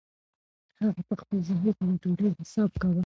هغه په خپل ذهن کې د ډوډۍ حساب کاوه.